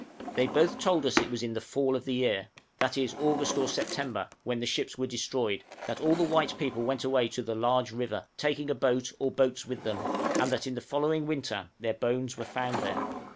They both told us it was in the fall of the year that is, August or September when the ships were destroyed; that all the white people went away to the "large river," taking a boat or boats with them, and that in the following winter their bones were found there.